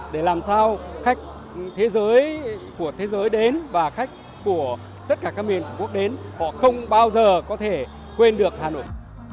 để làm sao khách thế giới của thế giới đến và khách của tất cả các miền của quốc đến họ không bao giờ có thể quên được hà nội